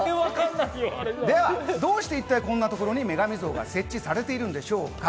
では、どうしてこんなところに女神像が設置されているんでしょうか。